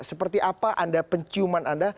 seperti apa penciuman anda